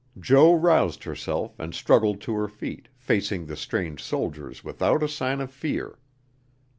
Jo roused herself and struggled to her feet, facing the strange soldiers without a sign of fear.